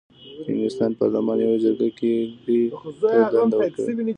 د انګلستان پارلمان یوې جرګه ګۍ ته دنده ورکړه.